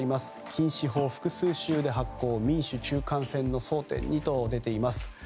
禁止法複数州で発行民主中間選の争点にと出ています。